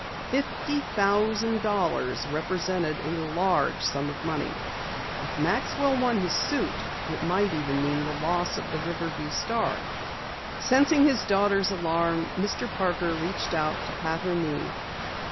Fifty thousand dollars represented a large sum of money! If Maxwell won his suit it might even mean the loss of the Riverview Star. Sensing his daughter's alarm, Mr. Parker reached out to pat her knee.